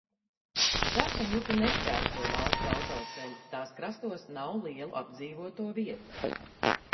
Sarkaņupi nešķērso valsts autoceļi, tās krastos nav lielu apdzīvoto vietu.